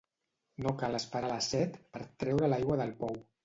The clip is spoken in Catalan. No cal esperar la set per treure l'aigua del pou.